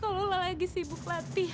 kalau kamu sedang sibuk berlatih